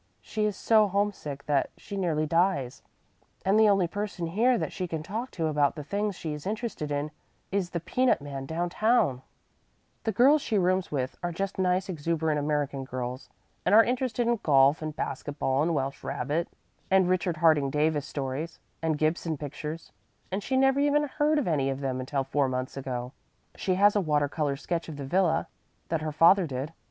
She is so homesick that she nearly dies, and the only person here that she can talk to about the things she is interested in is the peanut man down town. [Illustration: Olivia Copeland] "The girls she rooms with are just nice exuberant American girls, and are interested in golf and basket ball and Welsh rabbit and Richard Harding Davis stories and Gibson pictures and she never even heard of any of them until four months ago. She has a water color sketch of the villa, that her father did.